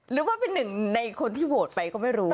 หรือว่าเป็นหนึ่งในคนที่โหวตไปก็ไม่รู้